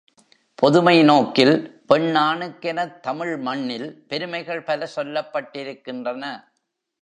பொதுமை நோக்கில் பெண் ஆணுக்கெனத் தமிழ் மண்ணில் பெருமைகள் பல சொல்லப் பட்டிருக்கின்றன.